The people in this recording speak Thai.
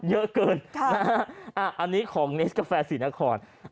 เยอะเกินอันนี้ของเนสกาแฟศรีนคร